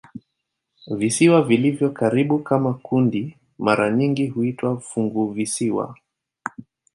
Visiwa vilivyo karibu kama kundi mara nyingi huitwa "funguvisiwa".